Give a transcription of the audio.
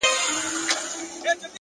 پرمختګ د دوام غوښتنه کوي,